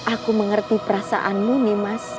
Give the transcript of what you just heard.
aku mengerti perasaanmu nimas